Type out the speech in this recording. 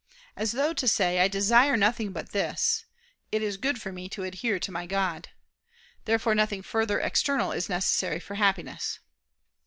As though to say: "I desire nothing but this, " "It is good for me to adhere to my God." Therefore nothing further external is necessary for Happiness.